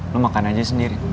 lo makan aja sendiri